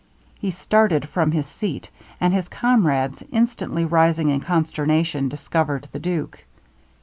He started from his seat, and his comrades instantly rising in consternation, discovered the duke.